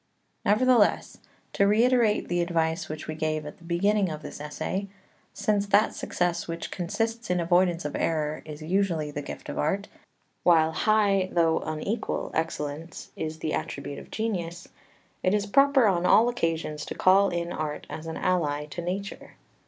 4 Nevertheless (to reiterate the advice which we gave at the beginning of this essay), since that success which consists in avoidance of error is usually the gift of art, while high, though unequal excellence is the attribute of genius, it is proper on all occasions to call in art as an ally to nature.